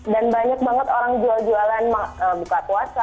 dan banyak banget orang jual jualan buka puasa